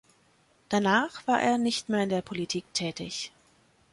Danach war er nicht mehr in der Politik tätig.